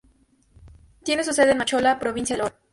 Tiene su sede en Machala, Provincia de El Oro.